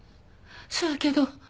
そやけど。